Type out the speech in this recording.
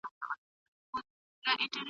زه بې له تا ګراني! ژوند څنګه تېر كړم ؟